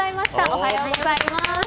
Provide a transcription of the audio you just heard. おはようございます。